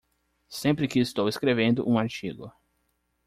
Sempre que estou escrevendo um artigo